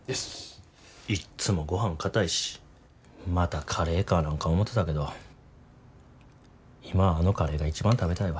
いっつもごはんかたいしまたカレーかなんか思てたけど今あのカレーが一番食べたいわ。